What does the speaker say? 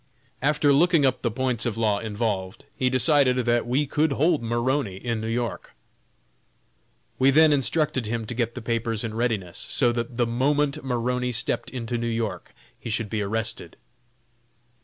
After looking up the points of law involved, he decided that we could hold Maroney in New York. We then instructed him to get the papers in readiness, so that the moment Maroney stepped into New York he should be arrested.